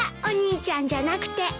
お兄ちゃんじゃなくて。